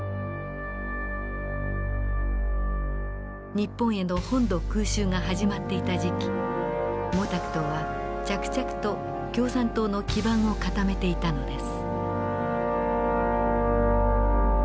日本への本土空襲が始まっていた時期毛沢東は着々と共産党の基盤を固めていたのです。